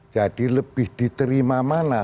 jadi lebih diterima mana